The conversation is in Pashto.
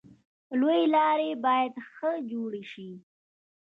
لویې لارې باید ښه جوړې شي.